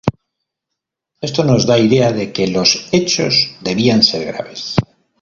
Esto nos da idea de que los hechos debían ser graves.